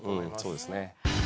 そうですね。